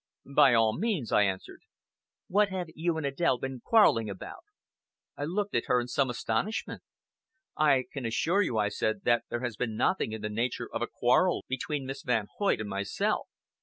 "By all means," I answered. "What have you and Adèle been quarrelling about?" I looked at her in some astonishment. "I can assure you," I said, "that there has been nothing in the nature of a quarrel between Miss Van Hoyt and myself."